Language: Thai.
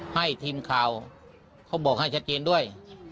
ให้ทีมข่าวเขาบอกให้ชัดเจนด้วย